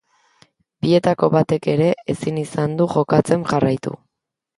Bietako batek ere ezin izan du jokatzem jarraitu.